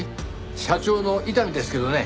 社長の伊丹ですけどね。